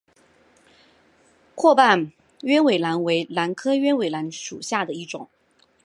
阔瓣鸢尾兰为兰科鸢尾兰属下的一个种。